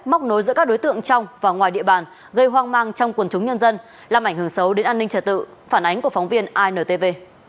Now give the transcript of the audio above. móc nối giữa các đối tượng trong và ngoài địa bàn gây hoang mang trong quần chúng nhân dân làm ảnh hưởng xấu đến an ninh trả tự phản ánh của phóng viên intv